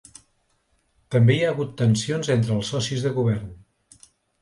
També hi ha hagut tensions entre els socis del govern.